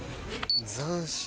「斬新」。